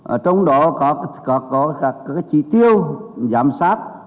ở trong đó có các chỉ tiêu giám sát